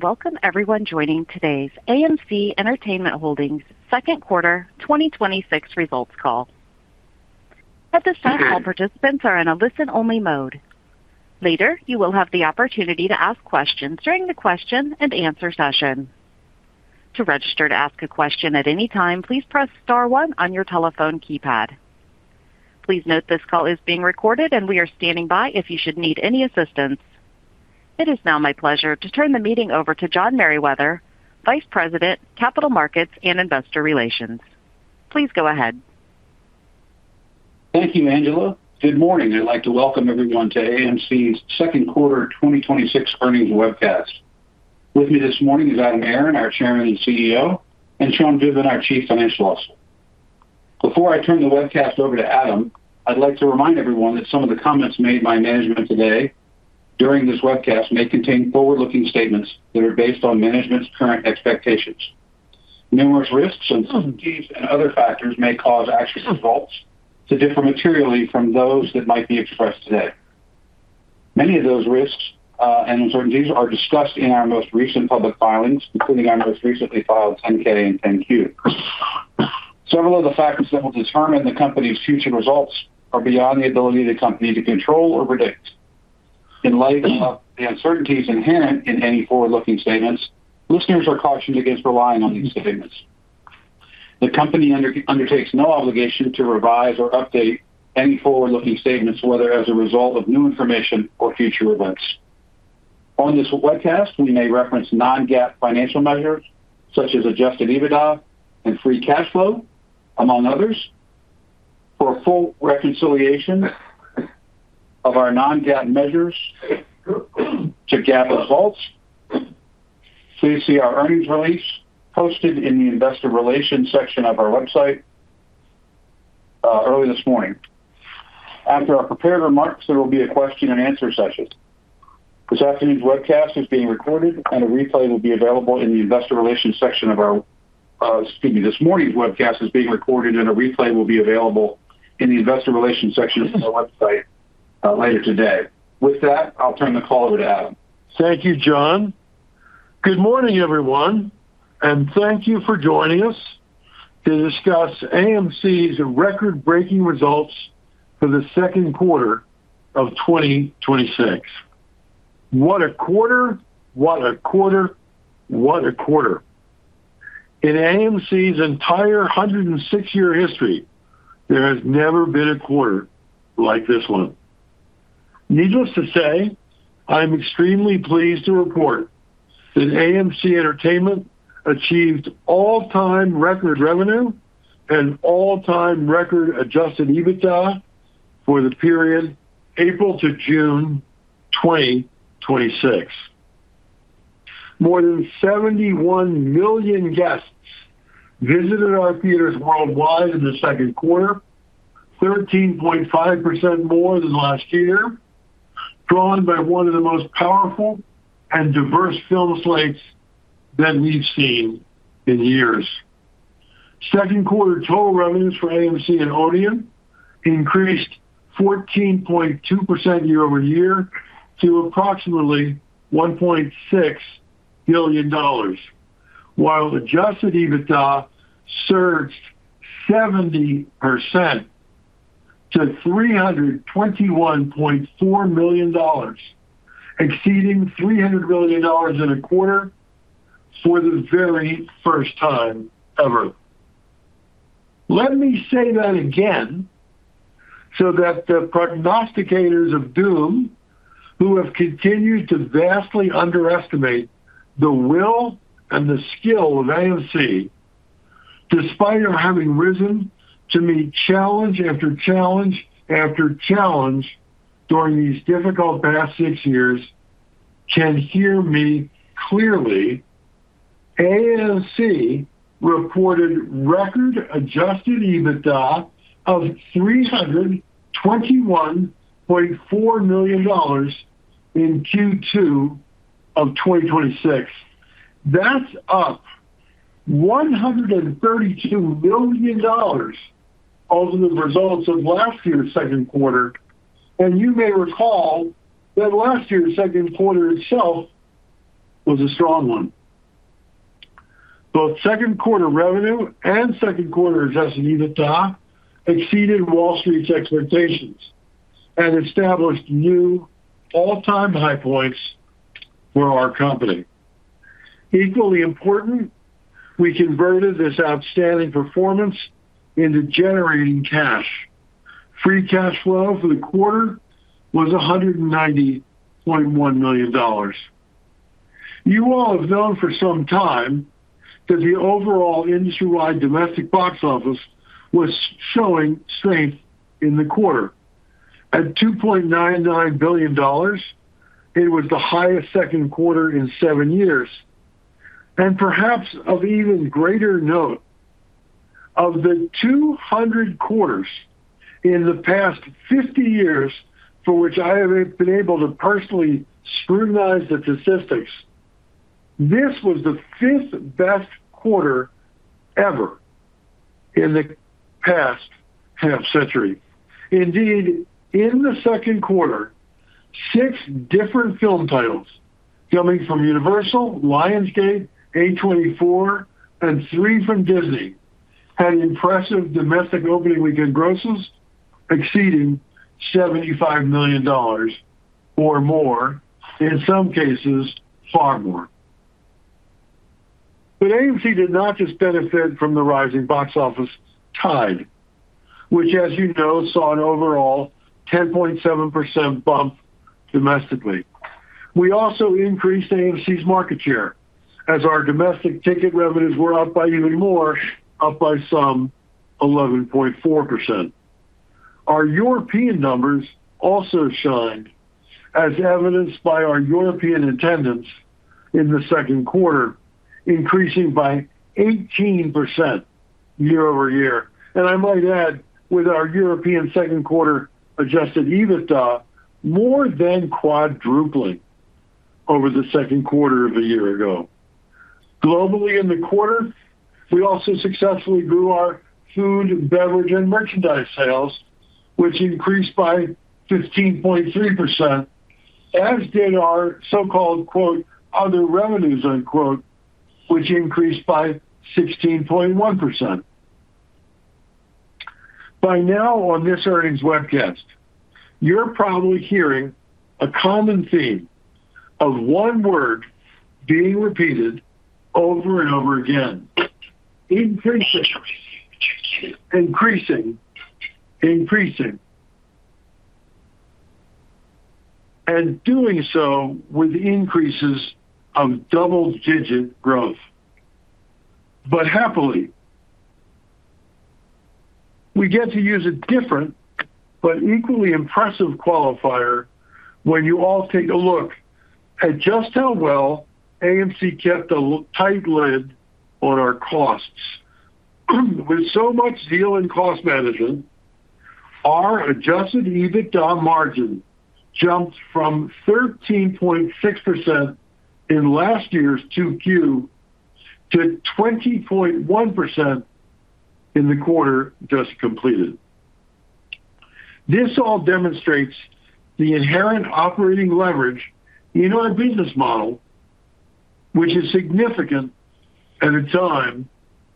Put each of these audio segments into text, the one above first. Welcome everyone joining today's AMC Entertainment Holdings' second quarter 2026 results call. At this time, all participants are in a listen-only mode. Later, you will have the opportunity to ask questions during the question and answer session. To register to ask a question at any time, please press star one on your telephone keypad. Please note this call is being recorded, and we are standing by if you should need any assistance. It is now my pleasure to turn the meeting over to John Merriwether, Vice President, Capital Markets and Investor Relations. Please go ahead. Thank you, Angela. Good morning. I'd like to welcome everyone to AMC's second quarter 2026 earnings webcast. With me this morning is Adam Aron, our Chairman and CEO, and Sean Goodman, our Chief Financial Officer. Before I turn the webcast over to Adam, I'd like to remind everyone that some of the comments made by management today during this webcast may contain forward-looking statements that are based on management's current expectations. Numerous risks and uncertainties and other factors may cause actual results to differ materially from those that might be expressed today. Many of those risks, and uncertainties are discussed in our most recent public filings, including our most recently filed 10-K and 10-Q. Several of the factors that will determine the company's future results are beyond the ability of the company to control or predict. In light of the uncertainties inherent in any forward-looking statements, listeners are cautioned against relying on these statements. The company undertakes no obligation to revise or update any forward-looking statements, whether as a result of new information or future events. On this webcast, we may reference non-GAAP financial measures such as adjusted EBITDA and free cash flow, among others. For a full reconciliation of our non-GAAP measures to GAAP results, please see our earnings release posted in the investor relations section of our website early this morning. After our prepared remarks, there will be a question and answer session. This afternoon's webcast is being recorded, and a replay will be available in the investor relations section of our. Excuse me. This morning's webcast is being recorded, and a replay will be available in the investor relations section of our website later today. With that, I'll turn the call over to Adam. Thank you, John. Good morning, everyone, and thank you for joining us to discuss AMC's record-breaking results for the second quarter of 2026. What a quarter, what a quarter, what a quarter. In AMC's entire 106-year history, there has never been a quarter like this one. Needless to say, I'm extremely pleased to report that AMC Entertainment achieved all-time record revenue and all-time record adjusted EBITDA for the period April to June 2026. More than 71 million guests visited our theaters worldwide in the second quarter, 13.5% more than last year, drawn by one of the most powerful and diverse film slates that we've seen in years. Second quarter total revenues for AMC and Odeon increased 14.2% year-over-year to approximately $1.6 billion, while adjusted EBITDA surged 70% to $321.4 million, exceeding $300 million in a quarter for the very first time ever. Let me say that again so that the prognosticators of doom who have continued to vastly underestimate the will and the skill of AMC, despite our having risen to meet challenge after challenge after challenge during these difficult past six years, can hear me clearly. AMC reported record adjusted EBITDA of $321.4 million in Q2 of 2026. That's up $132 million over the results of last year's second quarter, and you may recall that last year's second quarter itself was a strong one. Both second quarter revenue and second quarter adjusted EBITDA exceeded Wall Street's expectations and established new all-time high points for our company. Equally important, we converted this outstanding performance into generating cash. Free cash flow for the quarter was $190.1 million. You all have known for some time that the overall industry-wide domestic box office was showing strength in the quarter. At $2.99 billion, it was the highest second quarter in seven years. Perhaps of even greater note, of the 200 quarters in the past 50 years for which I have been able to personally scrutinize the statistics, this was the fifth-best quarter ever In the past half-century. Indeed, in the second quarter, six different film titles coming from Universal, Lionsgate, A24, and three from Disney had impressive domestic opening weekend grosses exceeding $75 million or more, in some cases, far more. AMC did not just benefit from the rising box office tide, which as you know saw an overall 10.7% bump domestically. We also increased AMC's market share, as our domestic ticket revenues were up by even more, up by some 11.4%. Our European numbers also shined, as evidenced by our European attendance in the second quarter increasing by 18% year-over-year. I might add, with our European second quarter adjusted EBITDA more than quadrupling over the second quarter of a year ago. Globally in the quarter, we also successfully grew our food and beverage and merchandise sales, which increased by 15.3%, as did our so-called other revenues, which increased by 16.1%. By now on this earnings webcast, you're probably hearing a common theme of one word being repeated over and over again. Increasing. Increasing. Increasing. Doing so with increases of double-digit growth. Happily, we get to use a different but equally impressive qualifier when you all take a look at just how well AMC kept a tight lid on our costs. With so much zeal in cost management, our adjusted EBITDA margin jumped from 13.6% in last year's 2Q to 20.1% in the quarter just completed. This all demonstrates the inherent operating leverage in our business model, which is significant at a time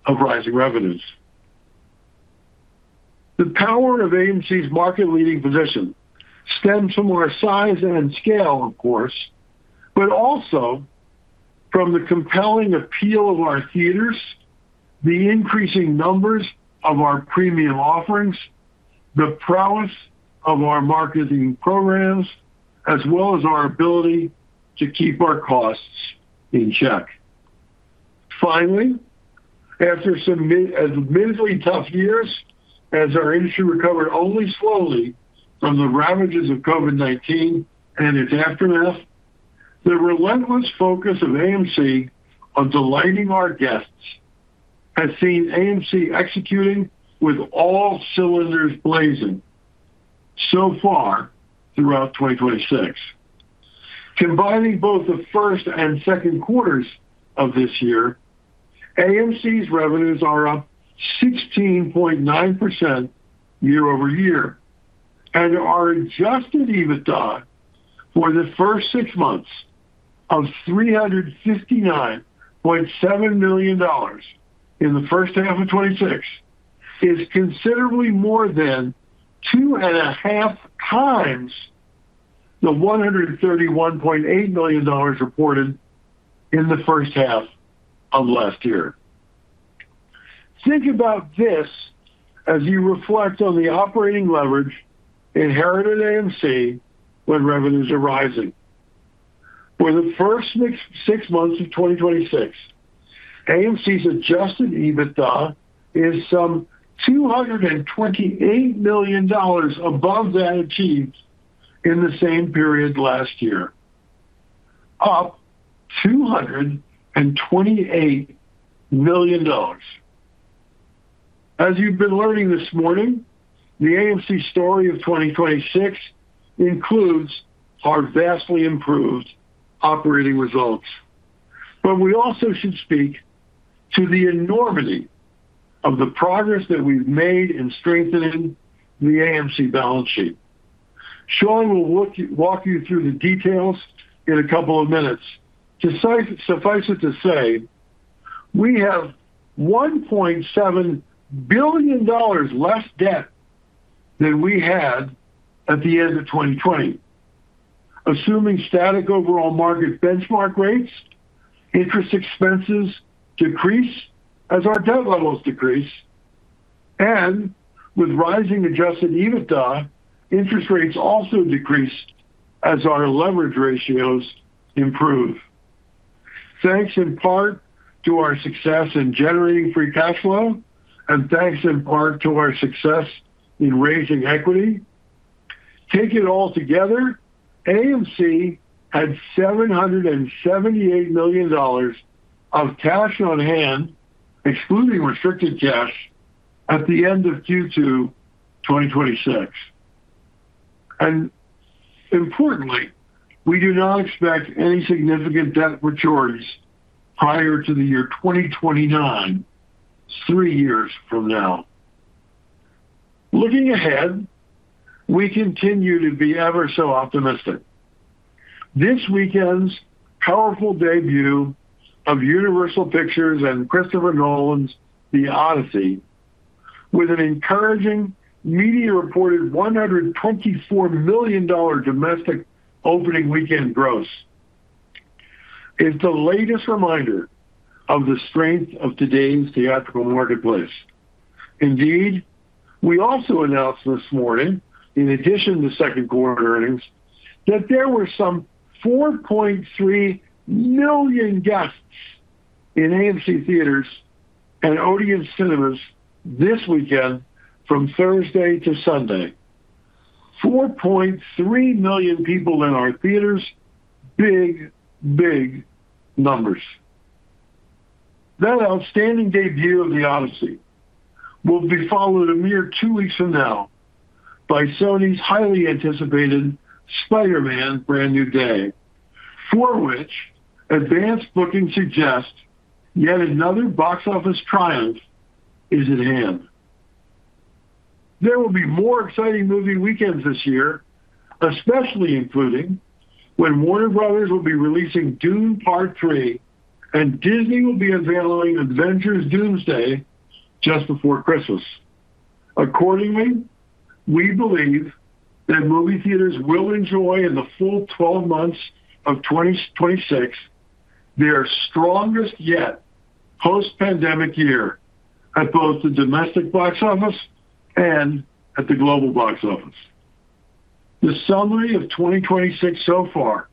of rising revenues. The power of AMC's market-leading position stems from our size and scale, of course, but also from the compelling appeal of our theaters, the increasing numbers of our premium offerings, the prowess of our marketing programs, as well as our ability to keep our costs in check. Finally, after some admittedly tough years as our industry recovered only slowly from the ravages of COVID-19 and its aftermath, the relentless focus of AMC on delighting our guests has seen AMC executing with all cylinders blazing so far throughout 2026. Combining both the first and second quarters of this year, AMC's revenues are up 16.9% year-over-year, and our Adjusted EBITDA for the first six months of $359.7 million in the first half of 2026 is considerably more than two and a half times the $131.8 million reported in the first half of last year. Think about this as you reflect on the operating leverage inherent in AMC when revenues are rising. For the first six months of 2026, AMC's adjusted EBITDA is some $228 million above that achieved in the same period last year. Up $228 million. As you've been learning this morning, the AMC story of 2026 includes our vastly improved operating results. We also should speak to the enormity of the progress that we've made in strengthening the AMC balance sheet. Sean will walk you through the details in a couple of minutes. Suffice it to say, we have $1.7 billion less debt than we had at the end of 2020. Assuming static overall market benchmark rates, interest expenses decrease as our debt levels decrease, and with rising adjusted EBITDA, interest rates also decreased as our leverage ratios improve. Thanks in part to our success in generating free cash flow, and thanks in part to our success in raising equity, take it all together, AMC had $778 million of cash on hand, excluding restricted cash, at the end of Q2 2026. Importantly, we do not expect any significant debt maturities prior to the year 2029, three years from now. Looking ahead, we continue to be ever so optimistic. This weekend's powerful debut of Universal Pictures and Christopher Nolan's The Odyssey, with an encouraging media-reported $124 million domestic opening weekend gross, is the latest reminder of the strength of today's theatrical marketplace. Indeed, we also announced this morning, in addition to second quarter earnings, that there were some 4.3 million guests in AMC theaters and Odeon Cinemas this weekend from Thursday to Sunday. 4.3 million people in our theaters, big, big numbers. That outstanding debut of The Odyssey will be followed a mere two weeks from now by Sony's highly anticipated Spider-Man: Brand New Day, for which advanced booking suggests yet another box office triumph is at hand. There will be more exciting movie weekends this year, especially including when Warner Bros. will be releasing Dune: Part Three and Disney will be unveiling Avengers: Doomsday just before Christmas. Accordingly, we believe that movie theaters will enjoy in the full 12 months of 2026, their strongest yet post-pandemic year at both the domestic box office and at the global box office. The summary of 2026 so far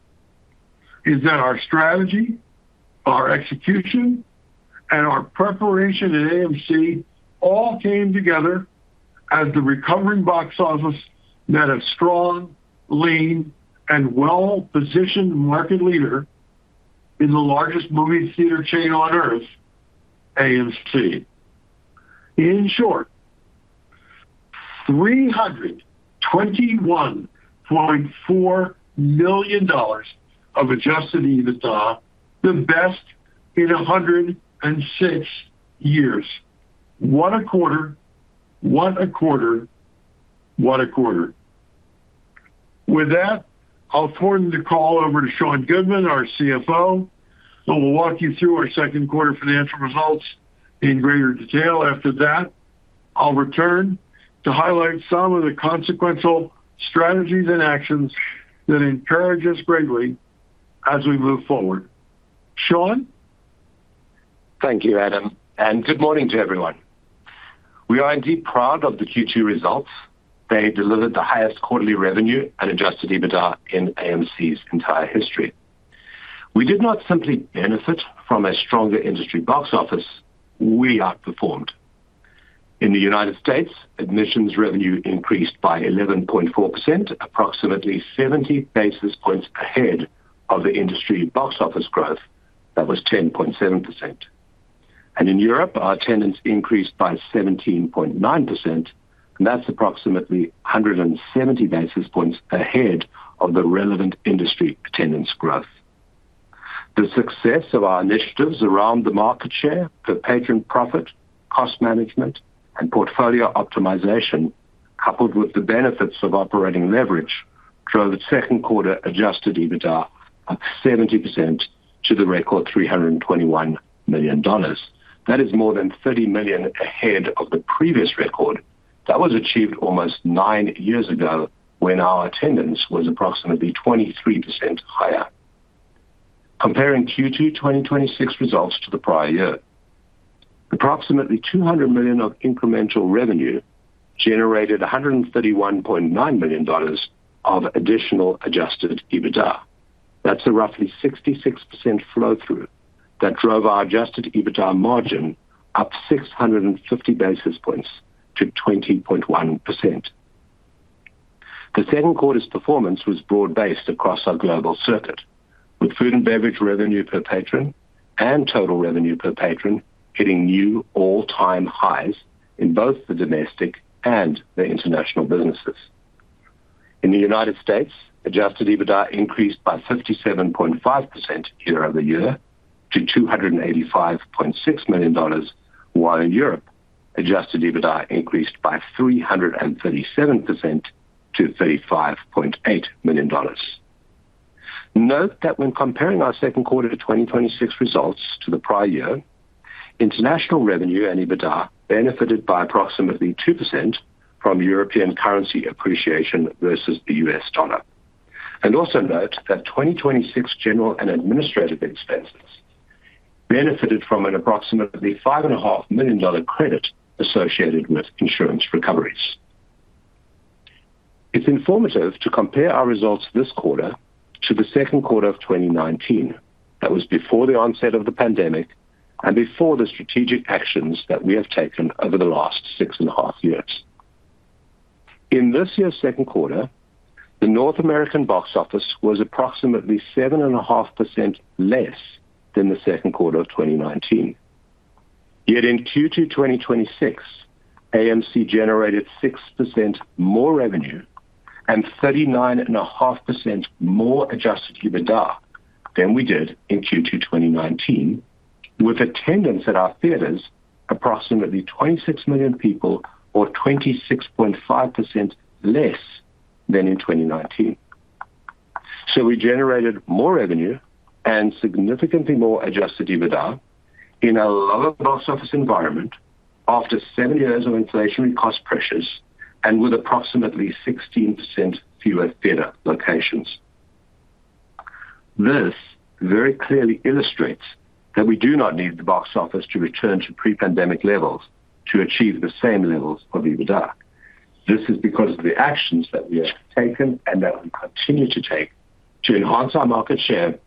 is that our strategy, our execution, and our preparation at AMC all came together as the recovering box office met a strong, lean, and well-positioned market leader in the largest movie theater chain on Earth, AMC. In short, $321.4 million of adjusted EBITDA, the best in 106 years. What a quarter. What a quarter. What a quarter. With that, I'll turn the call over to Sean Goodman, our CFO, who will walk you through our second quarter financial results in greater detail. After that, I'll return to highlight some of the consequential strategies and actions that encourage us greatly as we move forward. Sean? Thank you, Adam, and good morning to everyone. We are indeed proud of the Q2 results. They delivered the highest quarterly revenue and Adjusted EBITDA in AMC's entire history. We did not simply benefit from a stronger industry box office, we outperformed. In the United States, admissions revenue increased by 11.4%, approximately 70 basis points ahead of the industry box office growth that was 10.7%. In Europe, our attendance increased by 17.9%, and that's approximately 170 basis points ahead of the relevant industry attendance growth. The success of our initiatives around the market share, per patron profit, cost management, and portfolio optimization, coupled with the benefits of operating leverage, drove the second quarter adjusted EBITDA up 70% to the record $321 million. That is more than $30 million ahead of the previous record that was achieved almost nine years ago when our attendance was approximately 23% higher. Comparing Q2 2026 results to the prior year, approximately $200 million of incremental revenue generated $131.9 million of additional adjusted EBITDA. That's a roughly 66% flow-through that drove our adjusted EBITDA margin up 650 basis points to 20.1%. The second quarter's performance was broad-based across our global circuit, with food and beverage revenue per patron and total revenue per patron hitting new all-time highs in both the domestic and the international businesses. In the United States, adjusted EBITDA increased by 57.5% year-over-year to $285.6 million, while in Europe, Adjusted EBITDA increased by 337% to $35.8 million. Note that when comparing our second quarter 2026 results to the prior year, international revenue and EBITDA benefited by approximately 2% from European currency appreciation versus the U.S. dollar. Also note that 2026 general and administrative expenses benefited from an approximately $5.5 million credit associated with insurance recoveries. It's informative to compare our results this quarter to the second quarter of 2019. That was before the onset of the pandemic and before the strategic actions that we have taken over the last six and a half years. In this year's second quarter, the North American box office was approximately 7.5% less than the second quarter of 2019. In Q2 2026, AMC generated 6% more revenue and 39.5% more adjusted EBITDA than we did in Q2 2019, with attendance at our theaters approximately 26 million people or 26.5% less than in 2019. We generated more revenue and significantly more adjusted EBITDA in a lower box office environment after seven years of inflationary cost pressures and with approximately 16% fewer theater locations. This very clearly illustrates that we do not need the box office to return to pre-pandemic levels to achieve the same levels of EBITDA. This is because of the actions that we have taken and that we continue to take to enhance our market share,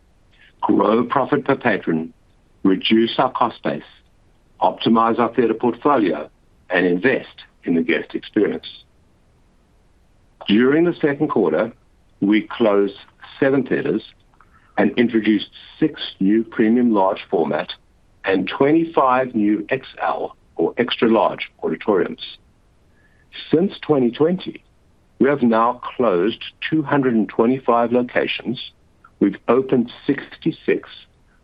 grow profit per patron, reduce our cost base, optimize our theater portfolio, and invest in the guest experience. During the second quarter, we closed seven theaters and introduced six new premium large format and 25 new XL or extra-large auditoriums. Since 2020, we have now closed 225 locations. We've opened 66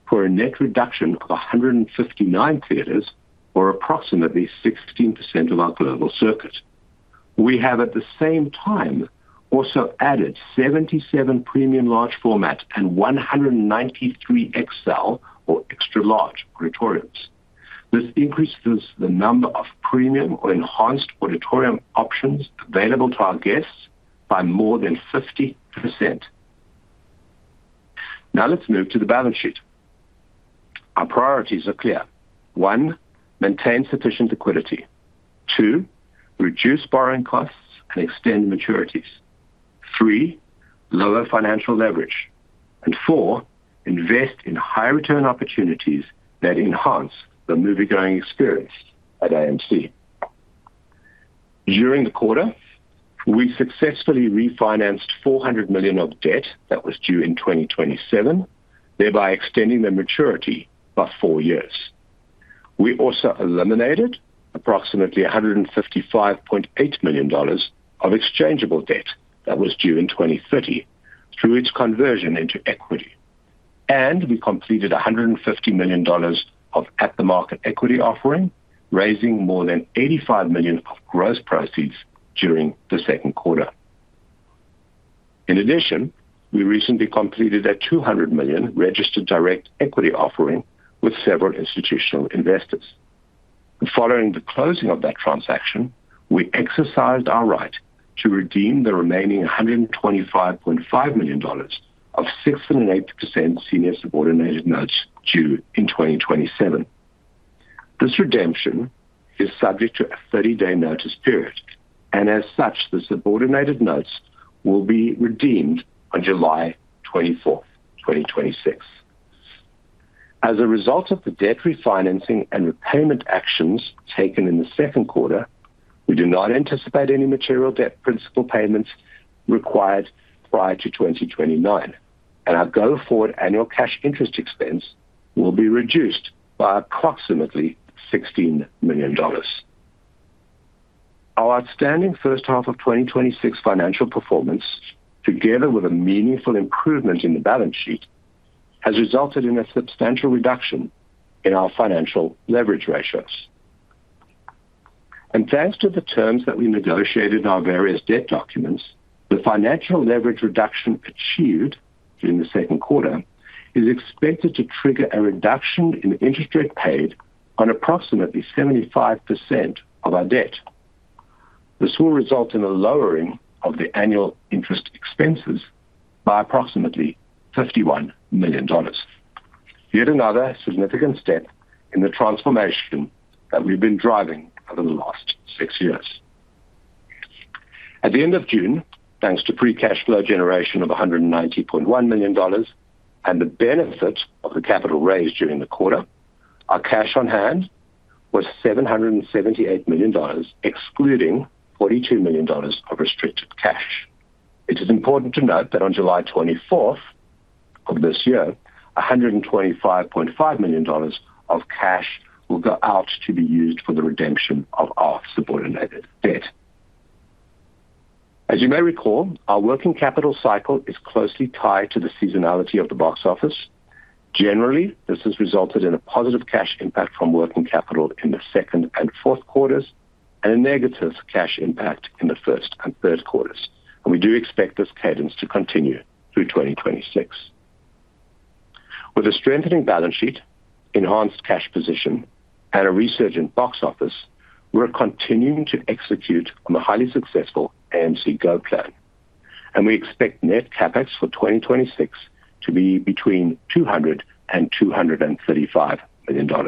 for a net reduction of 159 theaters, or approximately 16% of our global circuit. We have, at the same time, also added 77 premium large format and 193 XL or extra-large auditoriums. This increases the number of premium or enhanced auditorium options available to our guests by more than 50%. Now let's move to the balance sheet. Our priorities are clear. One, maintain sufficient liquidity. Two, reduce borrowing costs and extend maturities. Three, lower financial leverage. Four, invest in high-return opportunities that enhance the moviegoing experience at AMC. During the quarter, we successfully refinanced $400 million of debt that was due in 2027, thereby extending the maturity by four years. We also eliminated approximately $155.8 million of exchangeable debt that was due in 2030 through its conversion into equity. We completed $150 million of at-the-market equity offering, raising more than $85 million of gross proceeds during the second quarter. In addition, we recently completed a $200 million registered direct equity offering with several institutional investors. Following the closing of that transaction, we exercised our right to redeem the remaining $125.5 million of 6.8% senior subordinated notes due in 2027. This redemption is subject to a 30-day notice period, and as such, the subordinated notes will be redeemed on July 24th, 2026. As a result of the debt refinancing and repayment actions taken in the second quarter, we do not anticipate any material debt principal payments required prior to 2029, and our go-forward annual cash interest expense will be reduced by approximately $16 million. Our outstanding first half of 2026 financial performance, together with a meaningful improvement in the balance sheet, has resulted in a substantial reduction in our financial leverage ratios. Thanks to the terms that we negotiated in our various debt documents, the financial leverage reduction achieved during the second quarter is expected to trigger a reduction in interest rate paid on approximately 75% of our debt. This will result in a lowering of the annual interest expenses by approximately $51 million. Yet another significant step in the transformation that we've been driving over the last six years. At the end of June, thanks to free cash flow generation of $190.1 million and the benefit of the capital raised during the quarter, our cash on hand was $778 million, excluding $42 million of restricted cash. It is important to note that on July 24th of this year, $125.5 million of cash will go out to be used for the redemption of our subordinated debt. As you may recall, our working capital cycle is closely tied to the seasonality of the box office. Generally, this has resulted in a positive cash impact from working capital in the second and fourth quarters and a negative cash impact in the first and third quarters. We do expect this cadence to continue through 2026. With a strengthening balance sheet, enhanced cash position, and a resurgent box office, we're continuing to execute on the highly successful AMC's Go Plan. We expect net CapEx for 2026 to be between $200 million and $235 million.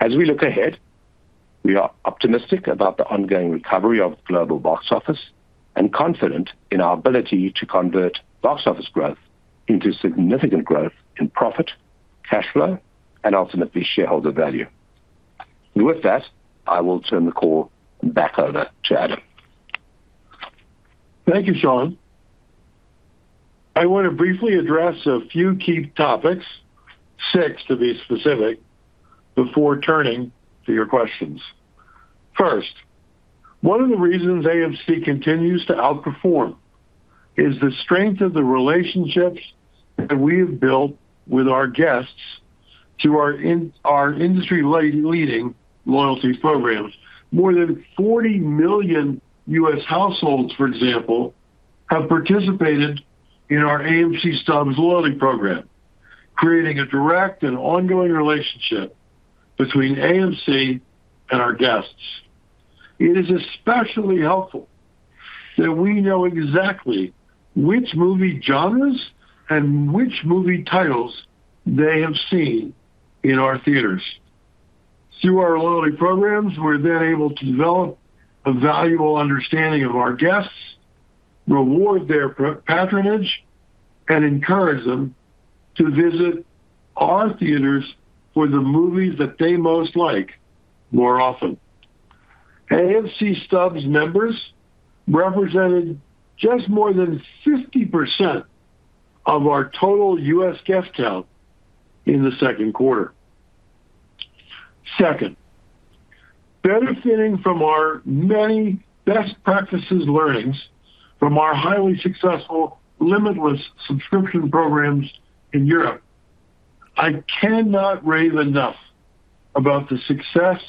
As we look ahead, we are optimistic about the ongoing recovery of global box office and confident in our ability to convert box office growth into significant growth in profit, cash flow, and ultimately shareholder value. With that, I will turn the call back over to Adam. Thank you, Sean. I want to briefly address a few key topics, six to be specific, before turning to your questions. First, one of the reasons AMC continues to outperform is the strength of the relationships that we have built with our guests through our industry-leading loyalty programs. More than 40 million U.S. households, for example, have participated in our AMC Stubs loyalty program, creating a direct and ongoing relationship between AMC and our guests. It is especially helpful that we know exactly which movie genres and which movie titles they have seen in our theaters. Through our loyalty programs, we're then able to develop a valuable understanding of our guests, reward their patronage, and encourage them to visit our theaters for the movies that they most like more often. AMC Stubs members represented just more than 50% of our total U.S. guest count in the second quarter. Second, benefiting from our many best practices learnings from our highly successful limitless subscription programs in Europe, I cannot rave enough about the success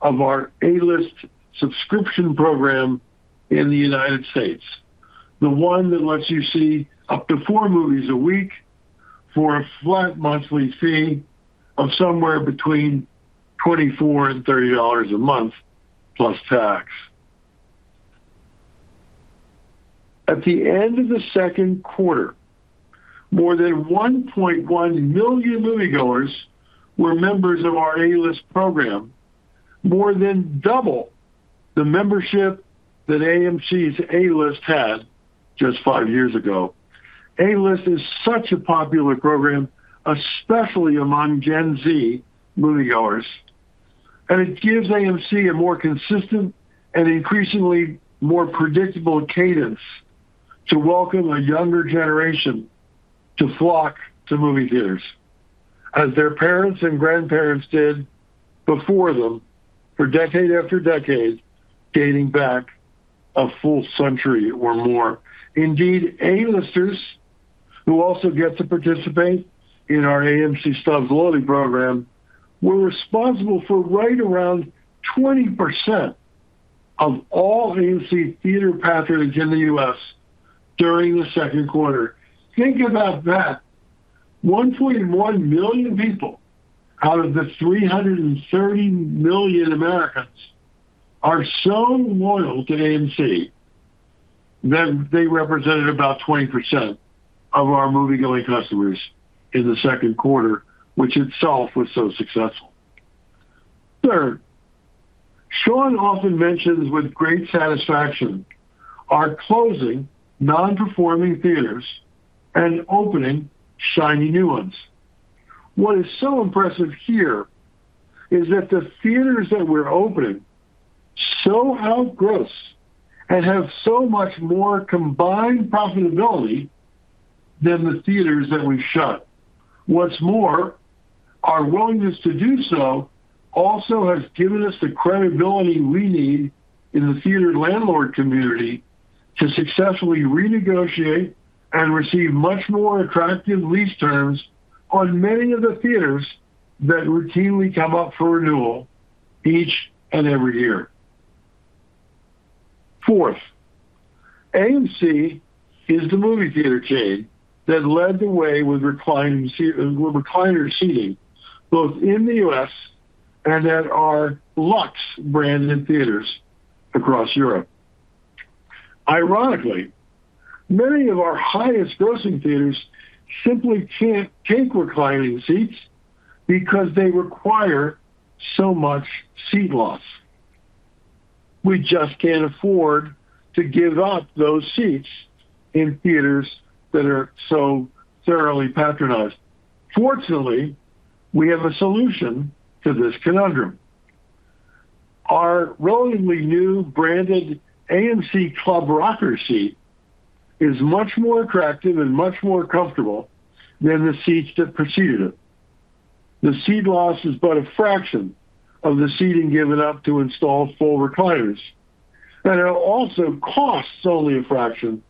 of our A-List subscription program in the U.S., the one that lets you see up to four movies a week for a flat monthly fee of somewhere between $24 and $30 a month, plus tax. At the end of the second quarter, more than 1.1 million moviegoers were members of our A-List program, more than double the membership that AMC's A-List had just five years ago. A-List is such a popular program, especially among Gen Z moviegoers, and it gives AMC a more consistent and increasingly more predictable cadence to welcome a younger generation to flock to movie theaters, as their parents and grandparents did before them for decade after decade, dating back a full century or more. Indeed, A-Listers who also get to participate in our AMC Stubs loyalty program were responsible for right around 20% of all AMC theater patronage in the U.S. during the second quarter. Think about that. 1.1 million people out of the 330 million Americans are so loyal to AMC that they represented about 20% of our moviegoing customers in the second quarter, which itself was so successful. Third, Sean often mentions with great satisfaction our closing non-performing theaters and opening shiny new ones. What is so impressive here is that the theaters that we're opening so outgross and have so much more combined profitability than the theaters that we've shut. What's more, our willingness to do so also has given us the credibility we need in the theater landlord community to successfully renegotiate and receive much more attractive lease terms on many of the theaters that routinely come up for renewal each and every year. Fourth, AMC is the movie theater chain that led the way with recliner seating, both in the U.S. and at our Luxe branded theaters across Europe. Ironically, many of our highest-grossing theaters simply can't take reclining seats because they require so much seat loss. We just can't afford to give up those seats in theaters that are so thoroughly patronized. Fortunately, we have a solution to this conundrum. Our relatively new branded AMC Club Rocker seat is much more attractive and much more comfortable than the seats that preceded it. The seat loss is but a fraction of the seating given up to install full recliners. It also costs only a fraction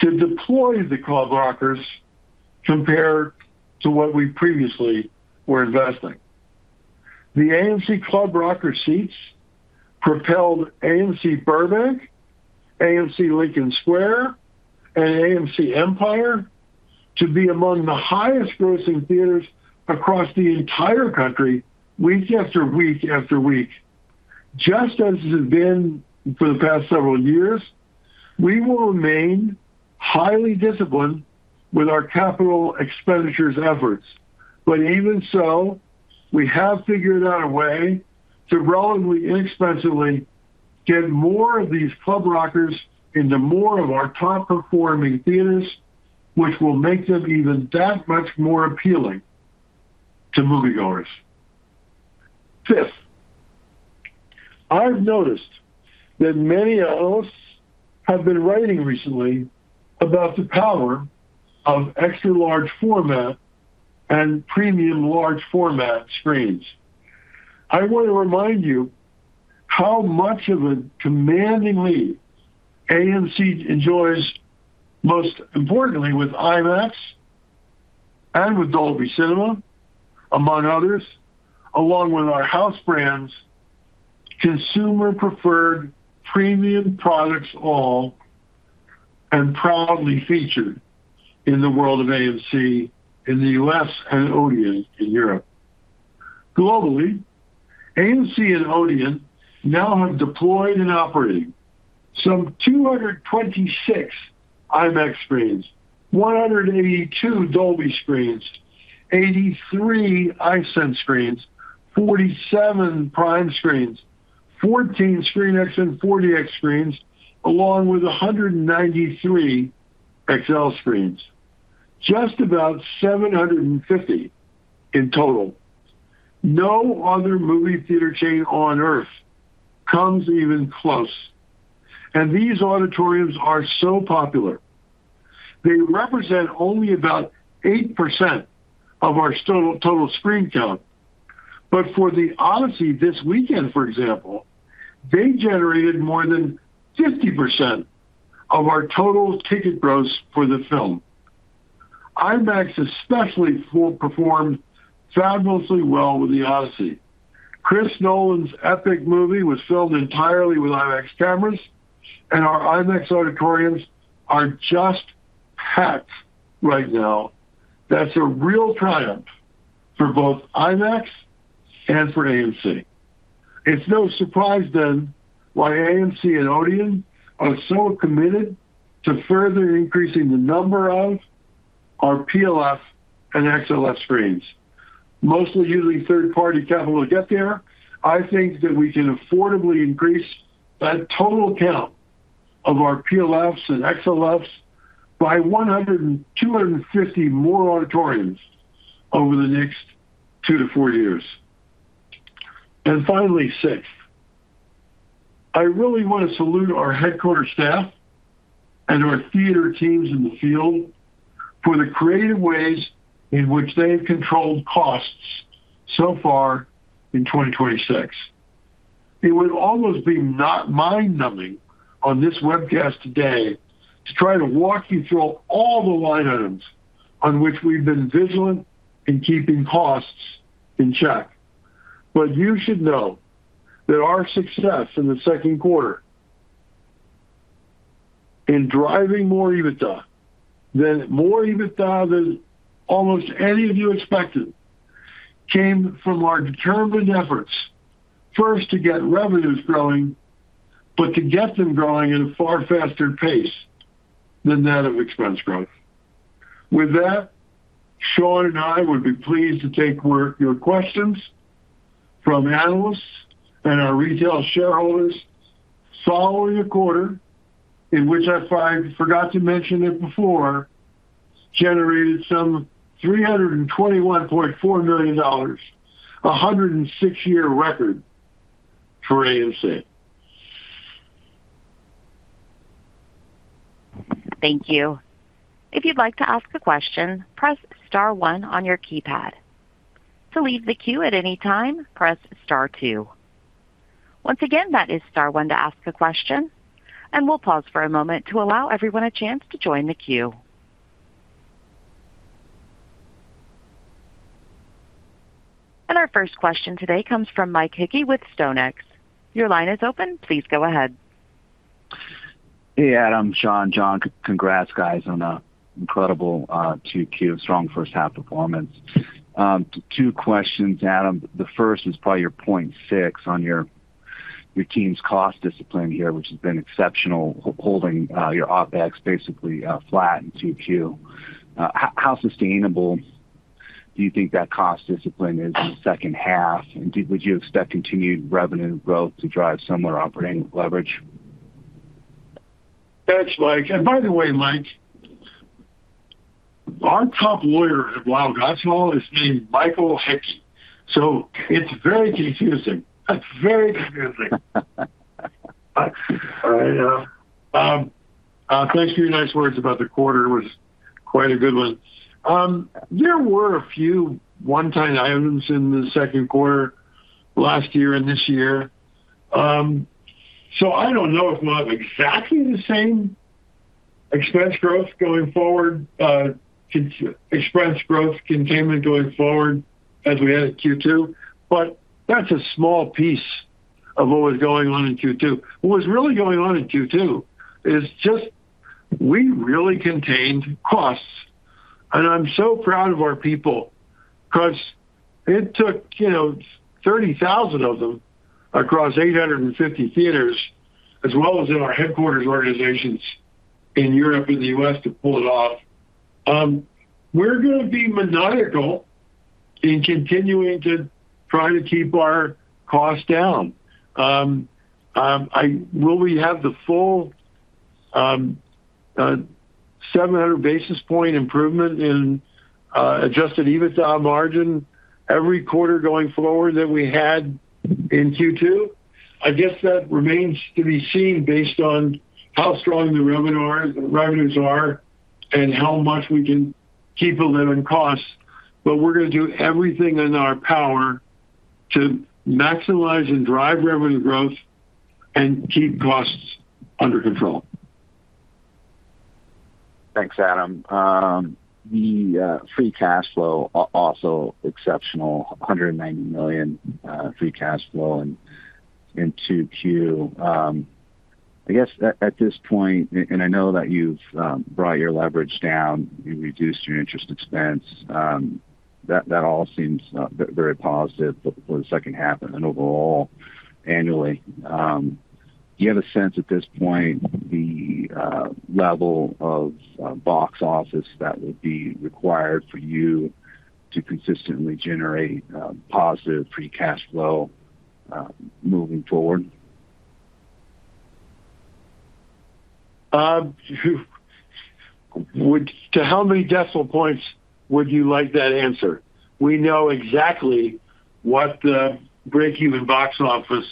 to deploy the Club Rockers compared to what we previously were investing. The AMC Club Rocker seats propelled AMC Burbank, AMC Lincoln Square, and AMC Empire to be among the highest-grossing theaters across the entire country week after week after week. Just as it has been for the past several years, we will remain highly disciplined with our capital expenditures efforts. Even so, we have figured out a way to relatively inexpensively get more of these Club Rockers into more of our top-performing theaters, which will make them even that much more appealing to moviegoers. Fifth, I've noticed that many of us have been writing recently about the power of extra large format and premium large format screens. I want to remind you how much of a commanding lead AMC enjoys most importantly with IMAX and with Dolby Cinema, among others, along with our house brands, consumer preferred premium products all, and proudly featured in the world of AMC in the U.S. and Odeon in Europe. Globally, AMC and Odeon now have deployed and operating some 226 IMAX screens, 182 Dolby screens, 83 iSense screens, 47 PRIME screens, 14 ScreenX and 4DX screens, along with 193 XL screens. Just about 750 in total. No other movie theater chain on earth comes even close. These auditoriums are so popular. They represent only about 8% of our total screen count. For The Odyssey this weekend, for example, they generated more than 50% of our total ticket gross for the film. IMAX especially performed fabulously well with The Odyssey. Chris Nolan's epic movie was filled entirely with IMAX cameras, our IMAX auditoriums are just packed right now. That's a real triumph for both IMAX and for AMC. It's no surprise why AMC and Odeon are so committed to further increasing the number of our PLF and XLF screens. Mostly using third-party capital to get there, I think that we can affordably increase that total count of our PLFs and XLFs by 100 and 250 more auditoriums over the next two to four years. Finally, six. I really want to salute our headquarter staff and our theater teams in the field for the creative ways in which they have controlled costs so far in 2026. It would almost be mind-numbing on this webcast today to try to walk you through all the line items on which we've been vigilant in keeping costs in check. You should know that our success in the second quarter in driving more EBITDA than almost any of you expected, came from our determined efforts first to get revenues growing, but to get them growing at a far faster pace than that of expense growth. Sean and I would be pleased to take your questions from analysts and our retail shareholders following a quarter in which I forgot to mention it before, generated some $321.4 million, 106-year record for AMC. Thank you. If you'd like to ask a question, press star one on your keypad. To leave the queue at any time, press star two. Once again, that is star one to ask a question, and we'll pause for a moment to allow everyone a chance to join the queue. Our first question today comes from Mike Hickey with StoneX. Your line is open. Please go ahead. Hey, Adam, Sean, John. Congrats guys on an incredible Q2 strong first half performance. Two questions, Adam. The first is probably your point six on your team's cost discipline here, which has been exceptional, holding your OpEx basically flat in Q2. How sustainable do you think that cost discipline is in the second half? Would you expect continued revenue growth to drive similar operating leverage? Thanks, Mike. By the way, Mike, our top lawyer at Weil, Gotshal is named Michael Hickey, so it's very confusing. All right. Thanks for your nice words about the quarter, it was quite a good one. There were a few one-time items in the second quarter last year and this year. I don't know if we'll have exactly the same expense growth containment going forward as we had at Q2, but that's a small piece of what was going on in Q2. What was really going on in Q2 is just we really contained costs, and I'm so proud of our people because it took 30,000 of them across 850 theaters, as well as in our headquarters organizations in Europe and the U.S. to pull it off. We're gonna be maniacal in continuing to try to keep our costs down. Will we have a 700 basis point improvement in adjusted EBITDA margin every quarter going forward that we had in Q2? I guess that remains to be seen based on how strong the revenues are and how much we can keep a lid on costs. We're going to do everything in our power to maximize and drive revenue growth and keep costs under control. Thanks, Adam. The free cash flow, also exceptional. $190 million free cash flow in 2Q. I guess at this point, I know that you've brought your leverage down, you reduced your interest expense. That all seems very positive for the second half and then overall annually. Do you have a sense at this point the level of box office that would be required for you to consistently generate positive free cash flow moving forward? To how many decimal points would you like that answer? We know exactly what the breakeven box office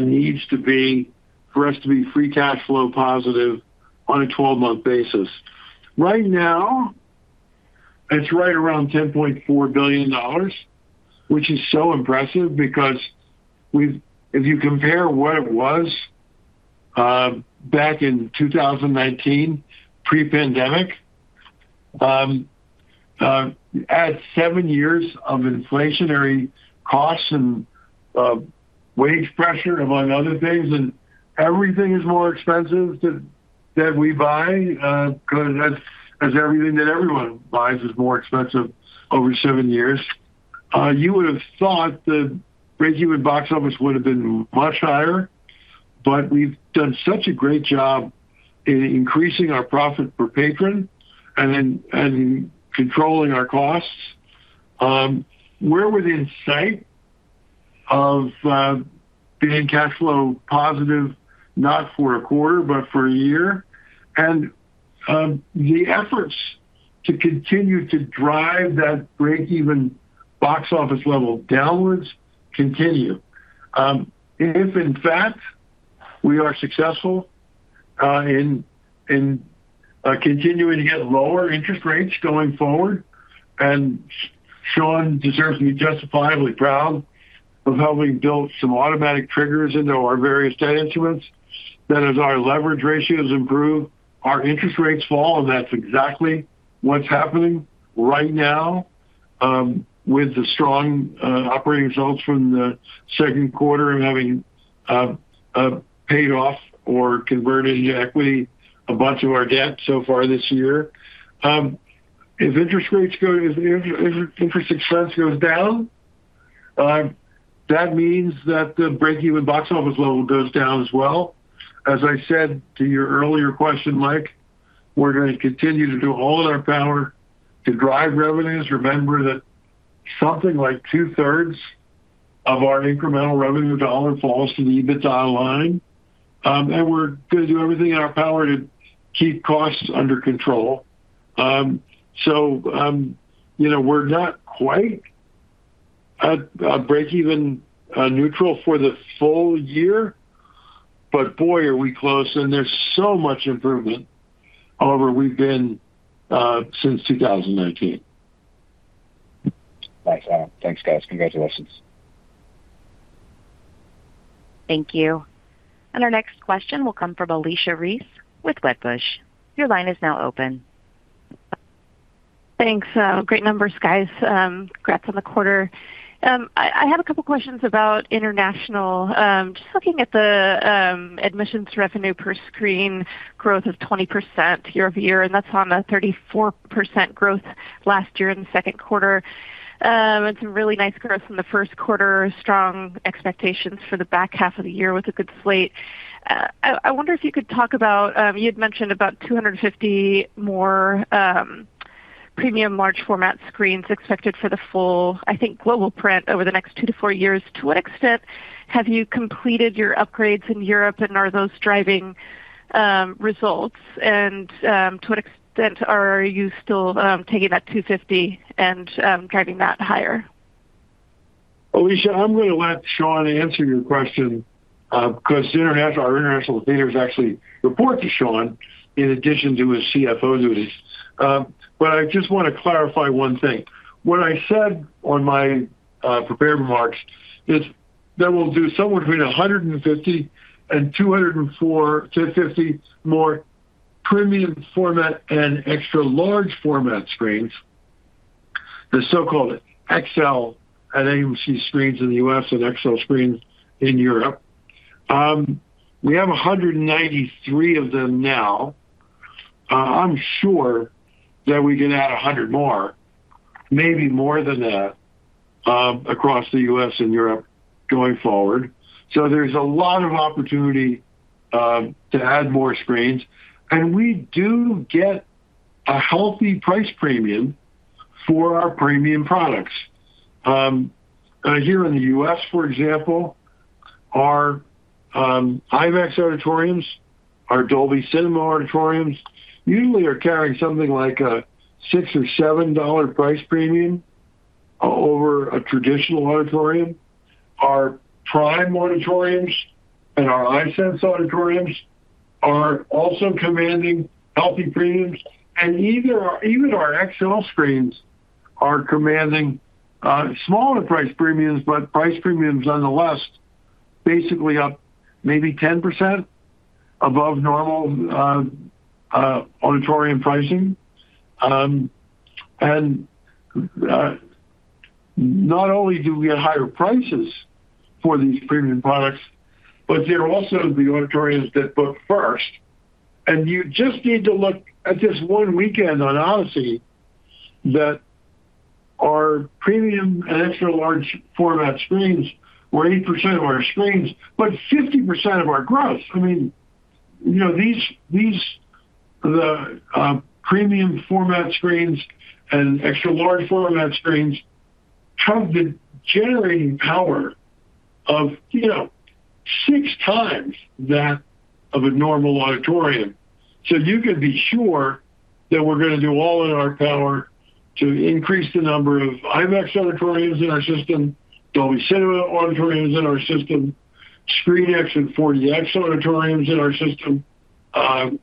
needs to be for us to be free cash flow positive on a 12-month basis. Right now, it's right around $10.4 billion, which is so impressive because if you compare what it was back in 2019, pre-pandemic, add seven years of inflationary costs and wage pressure, among other things, and everything is more expensive that we buy, as everything that everyone buys is more expensive over seven years. You would've thought the breakeven box office would've been much higher, but we've done such a great job in increasing our profit per patron and in controlling our costs. We're within sight of being cash flow positive, not for a quarter, but for a year. The efforts to continue to drive that breakeven box office level downwards continue. If in fact we are successful in continuing to get lower interest rates going forward, and Sean deserves to be justifiably proud of how we built some automatic triggers into our various debt instruments, that as our leverage ratios improve, our interest rates fall, and that's exactly what's happening right now with the strong operating results from the second quarter and having paid off or converted into equity a bunch of our debt so far this year. If interest expense goes down, that means that the breakeven box office level goes down as well. As I said to your earlier question, Mike, we're going to continue to do all in our power to drive revenues. Remember that something like two-thirds of our incremental revenue dollar falls to the EBITDA line, and we're going to do everything in our power to keep costs under control. We're not quite at breakeven neutral for the full year, but boy, are we close, and there's so much improvement over we've been since 2019. Thanks, Adam. Thanks, guys. Congratulations. Thank you. Our next question will come from Alicia Reese with Wedbush. Your line is now open. Thanks. Great numbers, guys. Congrats on the quarter. I had a couple questions about international. Just looking at the admissions revenue per screen growth of 20% year-over-year, and that's on the 34% growth last year in the second quarter. Some really nice growth in the first quarter. Strong expectations for the back half of the year with a good slate. I wonder if you could talk about, you had mentioned about 250 more premium large format screens expected for the full, I think, global print over the next 2-4 years. To what extent have you completed your upgrades in Europe, and are those driving results? To what extent are you still taking that 250 and driving that higher? Alicia, I am going to let Sean answer your question because our international theaters actually report to Sean in addition to his CFO duties. I just want to clarify one thing. What I said on my prepared remarks is that we will do somewhere between 150 and 250 more premium format and extra large format screens, the so-called XL at AMC screens in the U.S. and XL screens in Europe. We have 193 of them now. I am sure that we can add 100 more, maybe more than that, across the U.S. and Europe going forward. There is a lot of opportunity to add more screens. We do get a healthy price premium for our premium products. Here in the U.S., for example, our IMAX auditoriums, our Dolby Cinema auditoriums usually are carrying something like a $6 or $7 price premium over a traditional auditorium. Our PRIME auditoriums and our iSense auditoriums are also commanding healthy premiums. Even our XL screens are commanding smaller price premiums, but price premiums nonetheless, basically up maybe 10% above normal auditorium pricing. Not only do we get higher prices for these premium products, but they are also the auditoriums that book first. You just need to look at this one weekend on The Odyssey that our premium and extra large format screens were 8% of our screens, but 50% of our gross. The premium format screens and extra large format screens have the generating power of six times that of a normal auditorium. You can be sure that we are going to do all in our power to increase the number of IMAX auditoriums in our system, Dolby Cinema auditoriums in our system, ScreenX and 4DX auditoriums in our system, and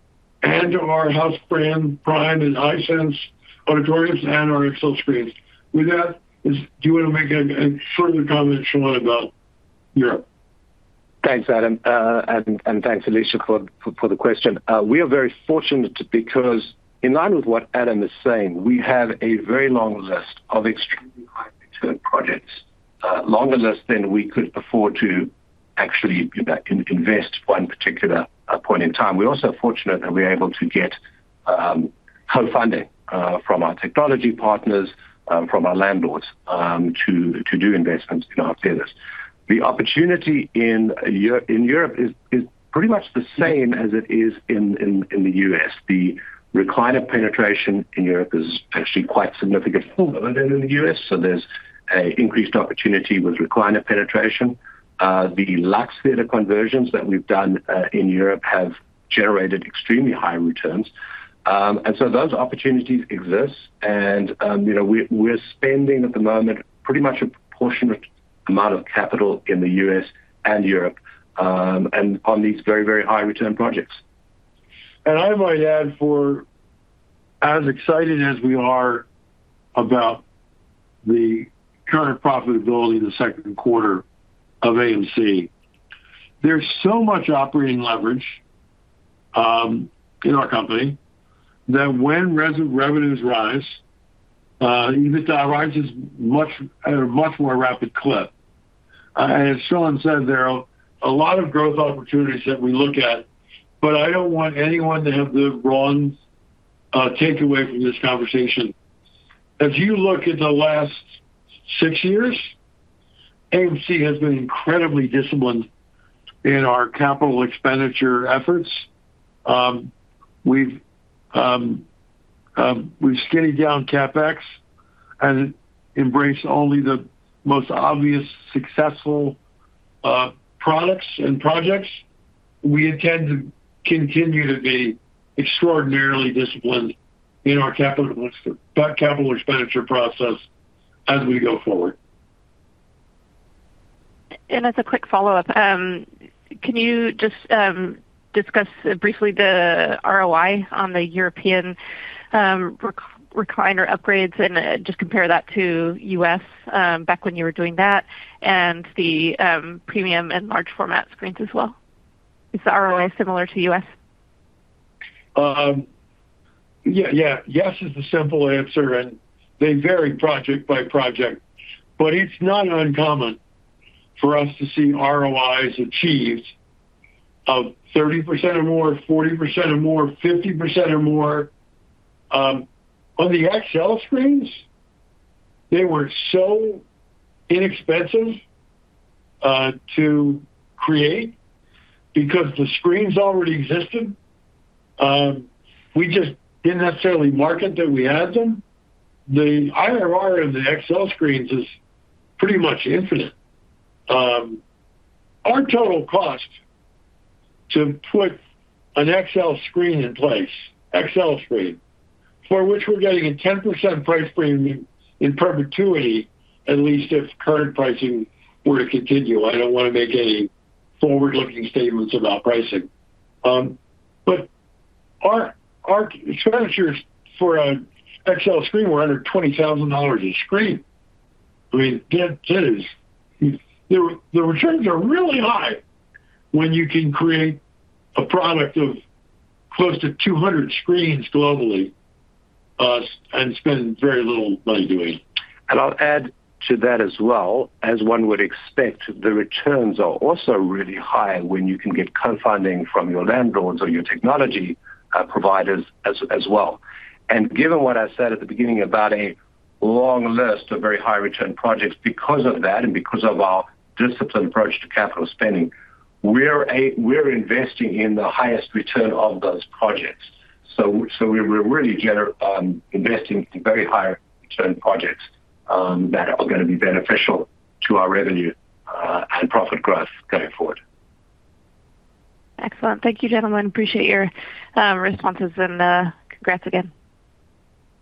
our house brand PRIME and iSense auditoriums and our XL screens. With that, do you want to make a further comment, Sean, about Europe? Thanks, Adam, and thanks, Alicia, for the question. We are very fortunate because in line with what Adam is saying, we have a very long list of extremely high return projects, a longer list than we could afford to actually invest for any particular point in time. We are also fortunate that we are able to get co-funding from our technology partners, from our landlords to do investments in our theaters. The opportunity in Europe is pretty much the same as it is in the U.S. The recliner penetration in Europe is actually quite significant, more than in the U.S., there is an increased opportunity with recliner penetration. The Luxe theater conversions that we have done in Europe have generated extremely high returns. Those opportunities exist and we're spending, at the moment, pretty much a proportionate amount of capital in the U.S. and Europe, and on these very, very high return projects. I might add, for as excited as we are about the current profitability in the second quarter of AMC, there's so much operating leverage in our company that when revenues rise, EBITDA rises at a much more rapid clip. As Sean said, there are a lot of growth opportunities that we look at, but I don't want anyone to have the wrong takeaway from this conversation. If you look at the last six years, AMC has been incredibly disciplined in our CapEx efforts. We've skinnied down CapEx and embraced only the most obvious successful products and projects. We intend to continue to be extraordinarily disciplined in our capital expenditure process as we go forward. As a quick follow-up, can you just discuss briefly the ROI on the European recliner upgrades and just compare that to U.S. back when you were doing that, and the premium and large format screens as well? Is the ROI similar to U.S.? Yes is the simple answer, they vary project by project. It's not uncommon for us to see ROIs achieved of 30% or more, 40% or more, 50% or more. On the XL screens, they were so inexpensive to create because the screens already existed. We just didn't necessarily market that we had them. The IRR on the XL screens is pretty much infinite. Our total cost to put an XL screen in place, for which we're getting a 10% price premium in perpetuity, at least if current pricing were to continue. I don't want to make any forward-looking statements about pricing. Our expenditures for an XL screen were under $20,000 a screen. The returns are really high when you can create a product of close to 200 screens globally and spend very little money doing it. I'll add to that as well, as one would expect, the returns are also really high when you can get co-funding from your landlords or your technology providers as well. Given what I said at the beginning about a long list of very high return projects because of that and because of our disciplined approach to capital spending, we're investing in the highest return of those projects. We're really investing in very high return projects that are going to be beneficial to our revenue and profit growth going forward. Excellent. Thank you, gentlemen. Appreciate your responses and congrats again.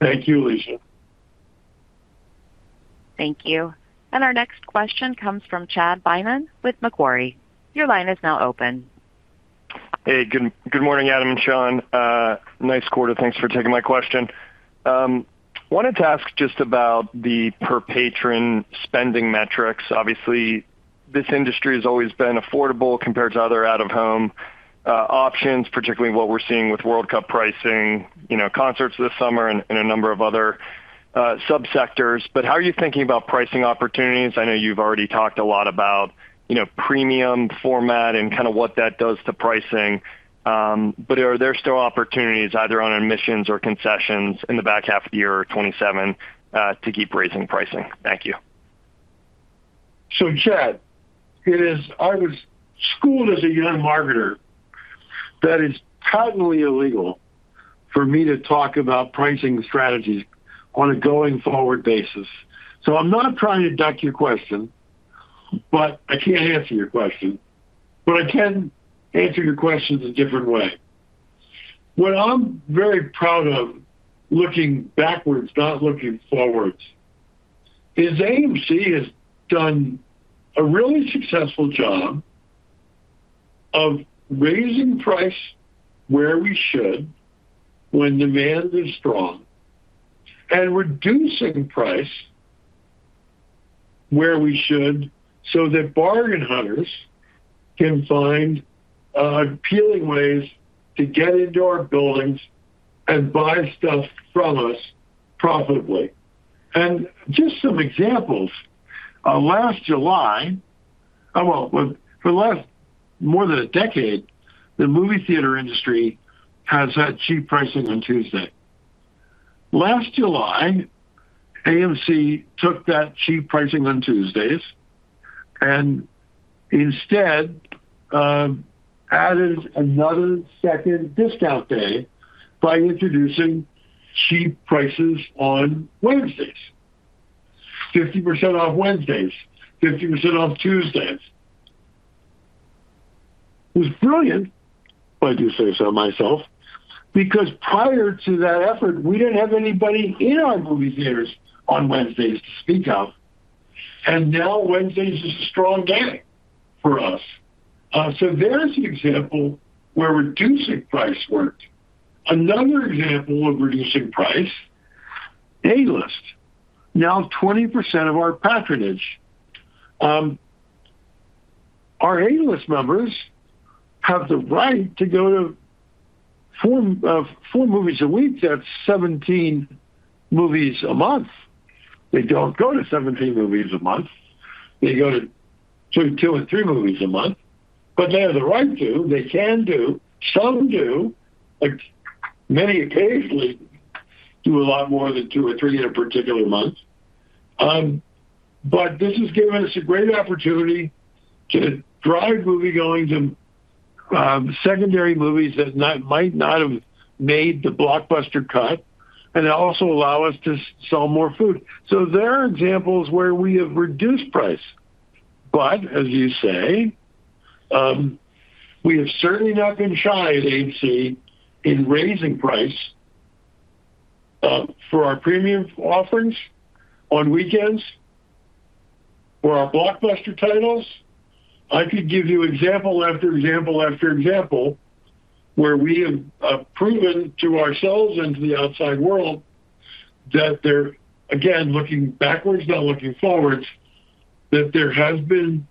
Thank you, Alicia. Thank you. Our next question comes from Chad Beynon with Macquarie. Your line is now open. Hey, good morning, Adam and Sean. Nice quarter. Thanks for taking my question. Wanted to ask just about the per patron spending metrics. Obviously, this industry has always been affordable compared to other out-of-home options, particularly what we're seeing with World Cup pricing, concerts this summer, and a number of other sub-sectors. How are you thinking about pricing opportunities? I know you've already talked a lot about premium format and what that does to pricing. Are there still opportunities either on admissions or concessions in the back half of the year or 2027 to keep raising pricing? Thank you. Chad, I was schooled as a young marketer that it's totally illegal for me to talk about pricing strategies on a going-forward basis. I'm not trying to duck your question, I can't answer your question. I can answer your question a different way. What I'm very proud of, looking backwards, not looking forwards, is AMC has done a really successful job of raising price where we should when demand is strong and reducing price where we should so that bargain hunters can find appealing ways to get into our buildings and buy stuff from us profitably. Just some examples. For the last more than a decade, the movie theater industry has had cheap pricing on Tuesday. Last July, AMC took that cheap pricing on Tuesdays and instead added another second discount day by introducing cheap prices on Wednesdays. 50% off Wednesdays, 50% off Tuesdays. It was brilliant, if I do say so myself, because prior to that effort, we didn't have anybody in our movie theaters on Wednesdays to speak of, and now Wednesdays is a strong day for us. There's the example where reducing price worked. Another example of reducing price, A-List. Now 20% of our patronage. Our A-List members have the right to go to four movies a week, that's 17 movies a month. They don't go to 17 movies a month. They go to two or three movies a month, they have the right to, they can do, some do. Many occasionally do a lot more than two or three in a particular month. This has given us a great opportunity to drive moviegoing to secondary movies that might not have made the blockbuster cut and also allow us to sell more food. There are examples where we have reduced price. As you say, we have certainly not been shy at AMC in raising price for our premium offerings on weekends, for our blockbuster titles. I could give you example after example after example where we have proven to ourselves and to the outside world that there, again, looking backwards, not looking forwards, that there has been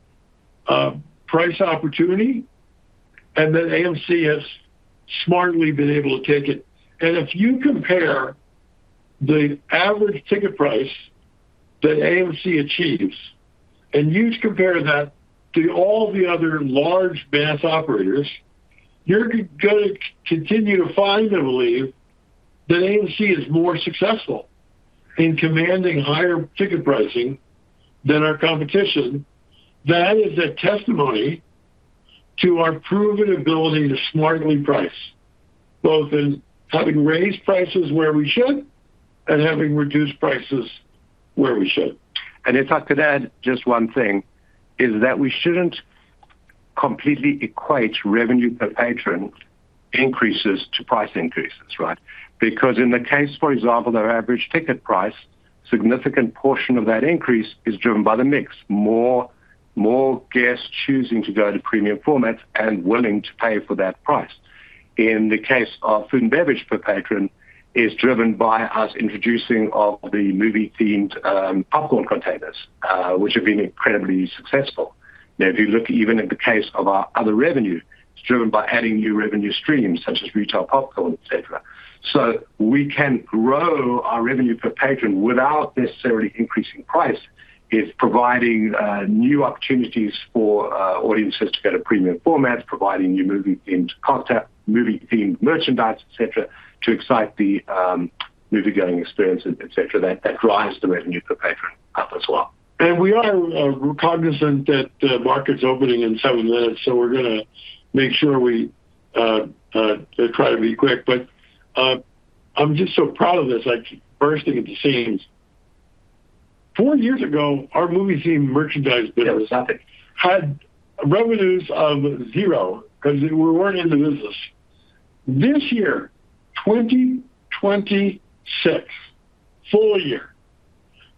a price opportunity, and that AMC has smartly been able to take it. If you compare the average ticket price that AMC achieves and you compare that to all the other large mass operators, you're going to continue to find and believe that AMC is more successful in commanding higher ticket pricing than our competition. That is a testimony to our proven ability to smartly price, both in having raised prices where we should and having reduced prices where we should. If I could add just one thing, is that we shouldn't completely equate revenue per patron increases to price increases, right? Because in the case, for example, the average ticket price, significant portion of that increase is driven by the mix. More guests choosing to go to premium formats and willing to pay for that price. In the case of food and beverage per patron is driven by us introducing of the movie-themed popcorn containers, which have been incredibly successful. Now, if you look even in the case of our other revenue, it's driven by adding new revenue streams such as retail popcorn, et cetera. We can grow our revenue per patron without necessarily increasing price, is providing new opportunities for audiences to go to premium formats, providing new movie-themed content, movie-themed merchandise, et cetera, to excite the moviegoing experience, et cetera. That drives the revenue per patron. As well. We are cognizant that the market's opening in seven minutes, we're going to make sure we try to be quick. I'm just so proud of this. I keep bursting at the seams. Four years ago, our movie theme merchandise business- Yeah, it was nothing had revenues of zero because we weren't in the business. This year, 2026, full year,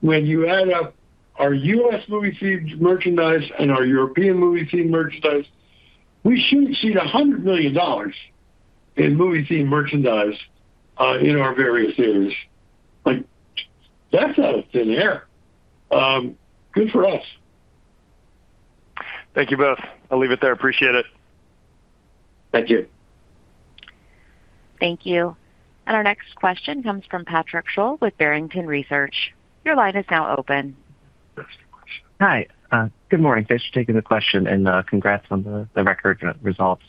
when you add up our U.S. movie themed merchandise and our European movie themed merchandise, we should exceed $100 million in movie themed merchandise in our various theaters. That's out of thin air. Good for us. Thank you both. I'll leave it there. Appreciate it. Thank you. Thank you. Our next question comes from Patrick Sholl with Barrington Research. Your line is now open. Thanks so much. Hi. Good morning. Thanks for taking the question and congrats on the record results.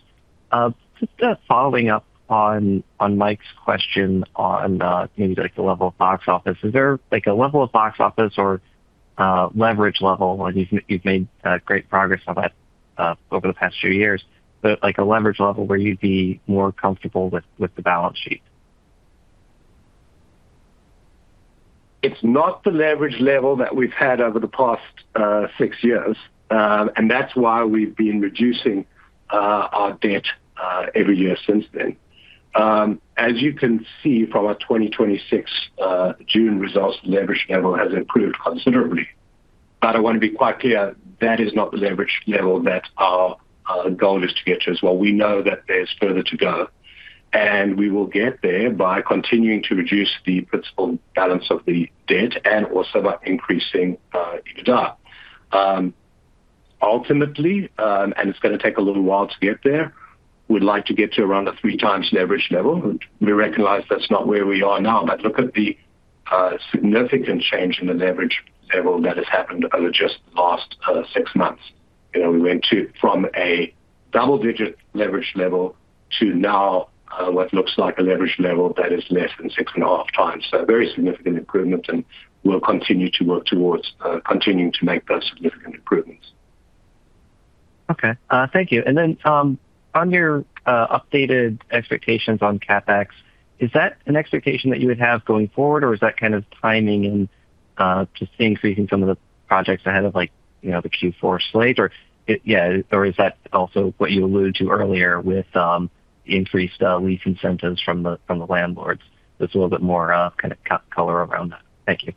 Just following up on Mike's question on maybe the level of box office. Is there a level of box office or leverage level, you've made great progress on that over the past few years, but a leverage level where you'd be more comfortable with the balance sheet? It's not the leverage level that we've had over the past six years. That's why we've been reducing our debt every year since then. As you can see from our 2026 June results, leverage level has improved considerably. I want to be quite clear, that is not the leverage level that our goal is to get to as well. We know that there's further to go, and we will get there by continuing to reduce the principal balance of the debt and also by increasing EBITDA. Ultimately, and it's going to take a little while to get there, we'd like to get to around a three times leverage level. We recognize that's not where we are now, but look at the significant change in the leverage level that has happened over just the last six months. We went from a double-digit leverage level to now what looks like a leverage level that is less than six and a half times. A very significant improvement, and we'll continue to work towards continuing to make those significant improvements. Okay. Thank you. On your updated expectations on CapEx, is that an expectation that you would have going forward or is that kind of timing and just increasing some of the projects ahead of the Q4 slate? Is that also what you alluded to earlier with increased lease incentives from the landlords? Just a little bit more kind of color around that. Thank you.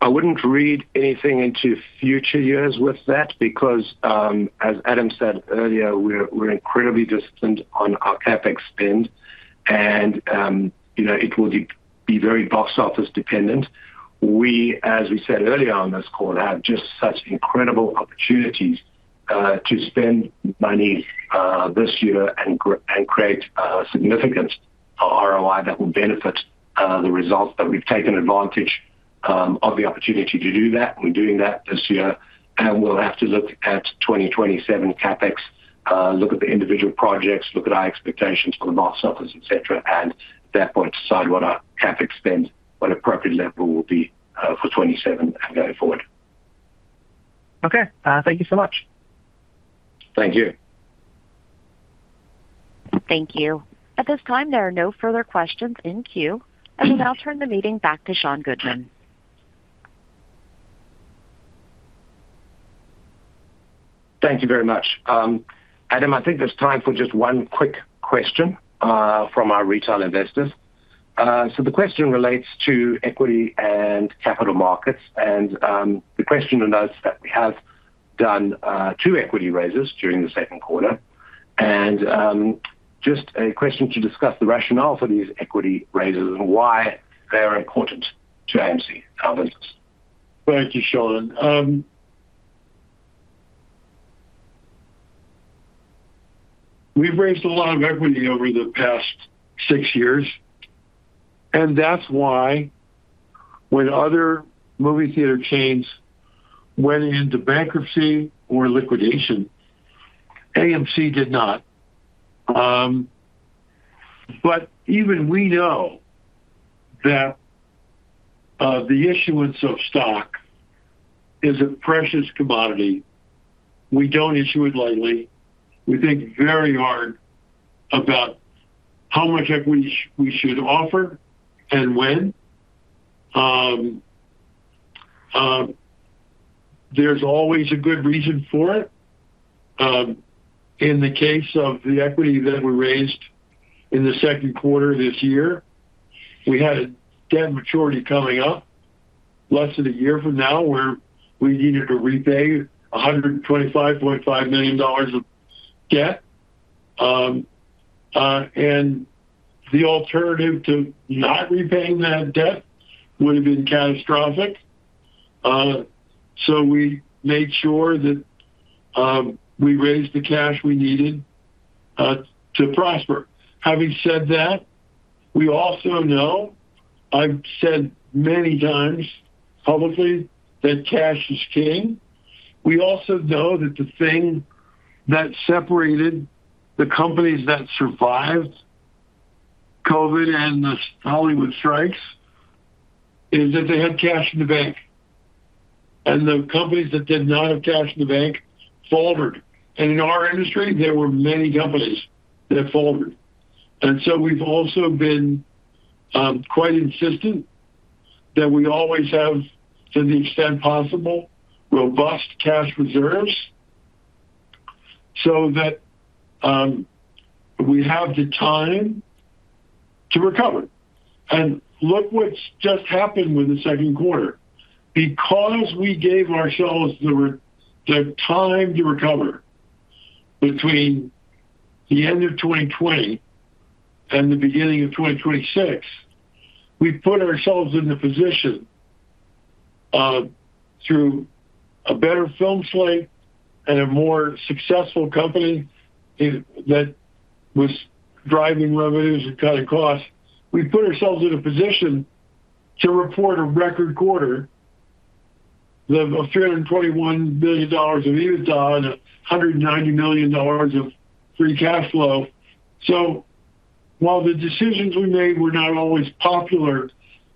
I wouldn't read anything into future years with that because, as Adam said earlier, we're incredibly disciplined on our CapEx spend and it will be very box office dependent. We, as we said earlier on this call, have just such incredible opportunities to spend money this year and create a significant ROI that will benefit the results, but we've taken advantage of the opportunity to do that. We're doing that this year, and we'll have to look at 2027 CapEx, look at the individual projects, look at our expectations for the box office, et cetera, and at that point, decide what our CapEx spend, what appropriate level will be for 2027 and going forward. Okay. Thank you so much. Thank you. Thank you. At this time, there are no further questions in queue. I will now turn the meeting back to Sean Goodman. Thank you very much. Adam, I think there's time for just one quick question from our retail investors. The question relates to equity and capital markets, the questioner notes that we have done two equity raises during the second quarter. Just a question to discuss the rationale for these equity raises and why they're important to AMC, our business. Thank you, Sean. We've raised a lot of equity over the past six years, that's why when other movie theater chains went into bankruptcy or liquidation, AMC did not. Even we know that the issuance of stock is a precious commodity. We don't issue it lightly. We think very hard about how much equity we should offer and when. There's always a good reason for it. In the case of the equity that we raised in the second quarter this year, we had a debt maturity coming up less than a year from now where we needed to repay $125.5 million of debt. The alternative to not repaying that debt would have been catastrophic. We made sure that we raised the cash we needed to prosper. Having said that, we also know, I've said many times publicly that cash is king. We also know that the thing that separated the companies that survived COVID and the Hollywood strikes, is that they had cash in the bank. The companies that did not have cash in the bank faltered. In our industry, there were many companies that faltered. We've also been quite insistent that we always have, to the extent possible, robust cash reserves so that we have the time to recover. Look what's just happened with the second quarter. Because we gave ourselves the time to recover between the end of 2020 and the beginning of 2026, we put ourselves in the position, through a better film slate and a more successful company that was driving revenues and cutting costs. We put ourselves in a position to report a record quarter of $321 billion of EBITDA and $190 million of free cash flow. While the decisions we made were not always popular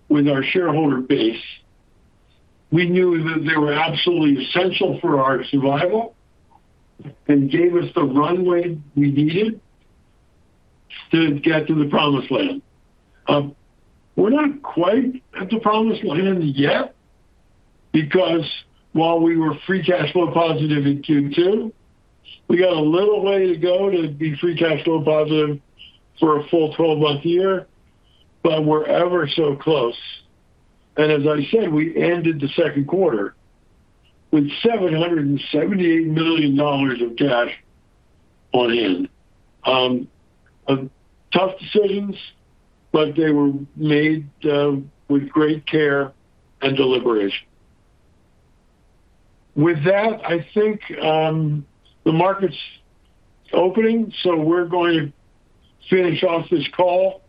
with our shareholder base, we knew that they were absolutely essential for our survival and gave us the runway we needed to get to the promised land. We're not quite at the promised land yet, because while we were free cash flow positive in Q2, we got a little way to go to be free cash flow positive for a full 12-month year, but we're ever so close. As I said, we ended the second quarter with $778 million of cash on hand. Tough decisions, they were made with great care and deliberation. With that, I think the market's opening, we're going to finish off this call.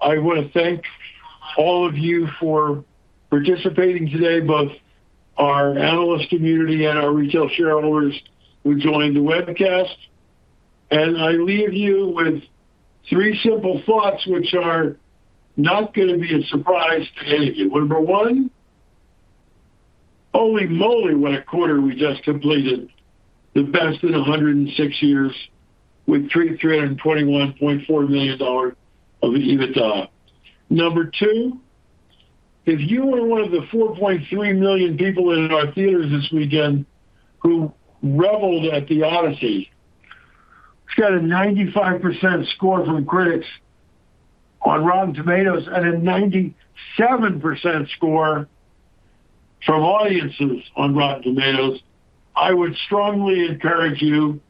I want to thank all of you for participating today, both our analyst community and our retail shareholders who joined the webcast. I leave you with three simple thoughts which are not going to be a surprise to any of you. Number one, holy moly, what a quarter we just completed. The best in 106 years with $321.4 million of adjusted EBITDA. Number two, if you were one of the 4.3 million people in our theaters this weekend who reveled at The Odyssey, which got a 95% score from critics on Rotten Tomatoes and a 97% score from audiences on Rotten Tomatoes, I would strongly encourage you,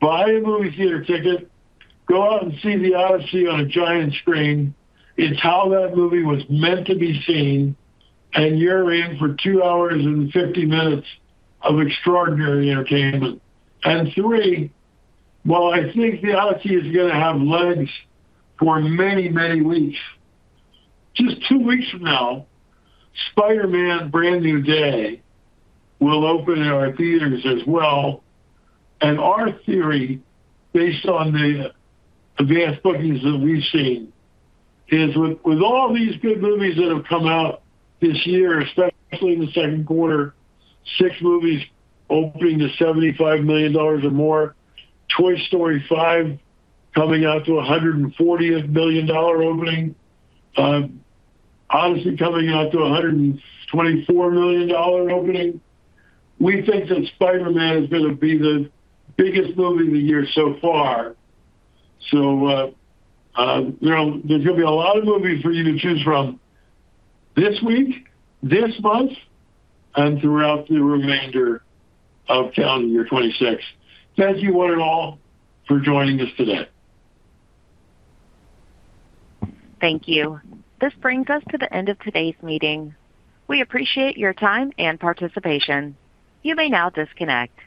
buy a movie theater ticket. Go out and see The Odyssey on a giant screen. It's how that movie was meant to be seen, and you're in for two hours and 50 minutes of extraordinary entertainment. Three, while I think The Odyssey is going to have legs for many, many weeks, just two weeks from now, Spider-Man: Brand New Day will open in our theaters as well. Our theory, based on the advanced bookings that we've seen, is with all these good movies that have come out this year, especially in the second quarter, six movies opening to $75 million or more, Toy Story 5 coming out to $140 million opening, The Odyssey coming out to $124 million opening. We think that Spider-Man is going to be the biggest movie of the year so far. There'll be a lot of movies for you to choose from this week, this month, and throughout the remainder of calendar 2026. Thank you, one and all, for joining us today. Thank you. This brings us to the end of today's meeting. We appreciate your time and participation. You may now disconnect.